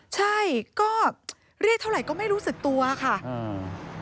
ใช่ก็เรียกเท่าไหร่ก็ไม่รู้สึกตัวค่ะอืม